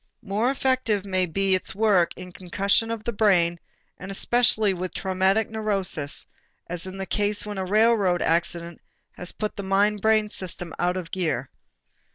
More effective may be its work in concussion of the brain and especially with traumatic neuroses, as in the case when a railroad accident has put the mind brain system out of gear.